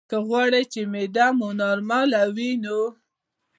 که غواړې چې معده دې نورماله وي نو: